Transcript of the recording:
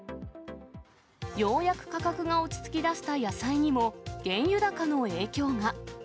ようやく価格が落ち着きだした野菜にも原油高の影響が。